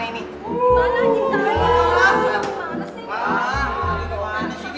pak ini gimana sih